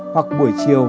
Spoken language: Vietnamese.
hoặc buổi chiều